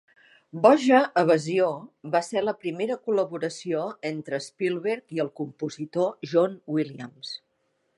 'Boja evasió' va ser la primera col·laboració entre Spielberg i el compositor John Williams.